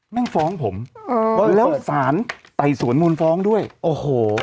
แม่งฟ้องผมโอ้แล้วฟ้องด้วยโอ้โห